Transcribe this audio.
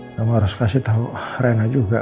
kamu harus kasih tahu arena juga